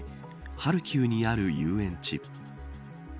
ハルキウにある遊園地。